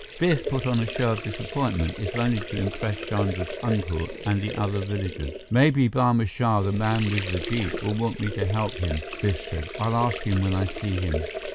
Biff put on a show of disappointment, if only to impress Chandra's uncle and the other villagers. "Maybe Barma Shah, the man with the jeep, will want me to help him," Biff said. "I'll ask him when I see him."